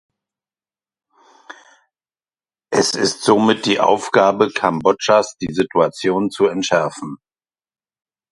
Es ist somit die Aufgabe Kambodschas, die Situation zu entschärfen.